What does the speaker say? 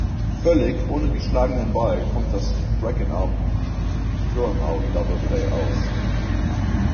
Völlig ohne geschlagenen Ball kommt das "strike-'em-out-throw-'em-out Double Play" aus.